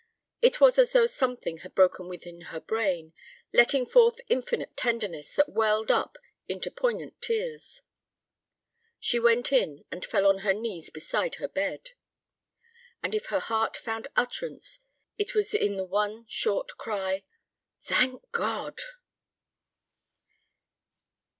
It was as though something had broken within her brain, letting forth infinite tenderness that welled up into poignant tears. She went in and fell on her knees beside her bed. And if her heart found utterance it was in the one short cry: "Thank God!"